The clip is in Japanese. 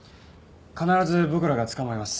必ず僕らが捕まえます。